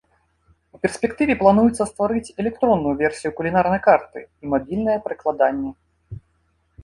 У перспектыве плануецца стварыць электронную версію кулінарнай карты і мабільнае прыкладанне.